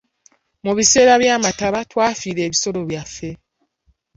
Mu biseera by'amataba, twafiirwa ebisolo byaffe.